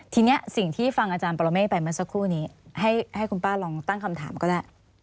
ทีนี้สิ่งที่ฟังอาจารย์ปรเมฆไปเมื่อสักครู่นี้ให้คุณป้าลองตั้งคำถามก็ได้